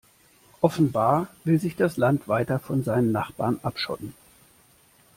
Offenbar will sich das Land weiter von seinen Nachbarn abschotten.